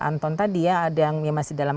anton tadi ya ada yang masih dalam